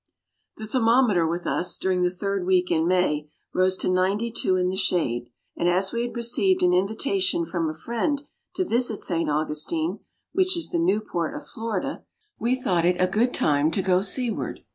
The thermometer with us, during the third week in May, rose to ninety two in the shade; and as we had received an invitation from a friend to visit St. Augustine, which is the Newport of Florida, we thought it a good time to go seaward.